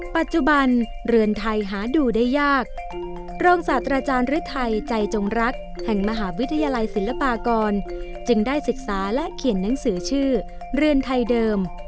ปัจจุบันเรือนไทยหาดูได้ยากรองศาสตราจารย์ฤทัยใจจงรักแห่งมหาวิทยาลัยศิลปากรจึงได้ศึกษาและเขียนหนังสือชื่อเรือนไทยเดิม